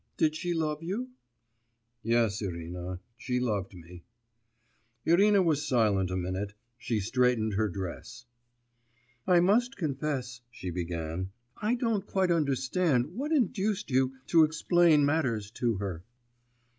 did she love you?' 'Yes, Irina, she loved me.' Irina was silent a minute, she straightened her dress. 'I must confess,' she began, 'I don't quite understand what induced you to explain matters to her.